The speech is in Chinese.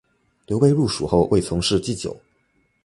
刘备入蜀后为从事祭酒。